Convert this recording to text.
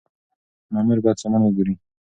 مامور بايد سامان وګوري.